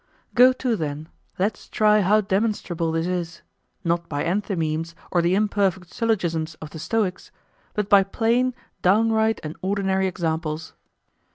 Go to then, let's try how demonstrable this is; not by enthymemes or the imperfect syllogisms of the Stoics, but by plain, downright, and ordinary examples.